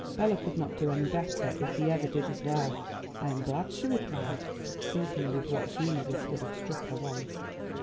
Bela could not do any better if he ever did as well." "I am glad," she replied, thinking with what humour this would have struck her once.